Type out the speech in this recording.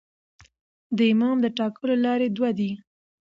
د امام د ټاکلو لاري دوې دي.